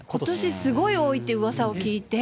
すごい多いっていううわさを聞いて。